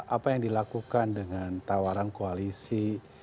apa yang dilakukan dengan tawaran koalisi